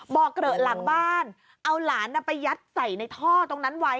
เกลอะหลังบ้านเอาหลานไปยัดใส่ในท่อตรงนั้นไว้